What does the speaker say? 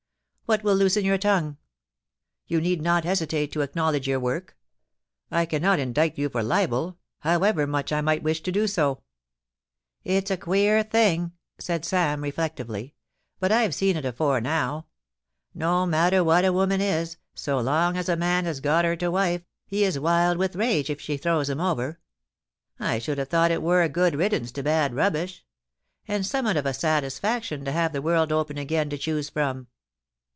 What will loosen your tongue ? You need not hesitate to acknow ledge your work. I cannot indict you for libel, however much I might wish to do so.' * It's a queer thing,' said Sam, reflectively, * but I've seen it afore now ; no matter what a woman is, so long as a man has got her to wife, he is wild with rage if she throws him over. I should have thought it wur a good riddance to bad rubbish ; and summat of a satisfaction to have the world open again to choose from.'